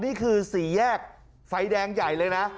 นี่คือสี่แยกไฟแดงใหญ่เลยนะ